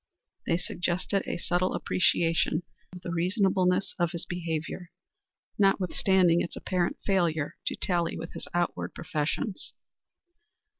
They suggested a subtle appreciation of the reasonableness of his behavior, notwithstanding its apparent failure to tally with his outward professions.